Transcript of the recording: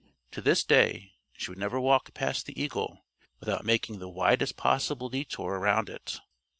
To this day, she would never walk past the eagle without making the widest possible detour around it.